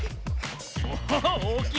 おおっおおきい